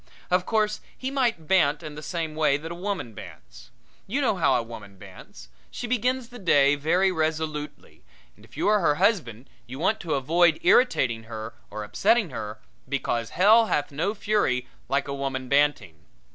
Of course he might bant in the same way that a woman bants. You know how a woman bants. She begins the day very resolutely, and if you are her husband you want to avoid irritating her or upsetting her, because hell hath no fury like a woman banting.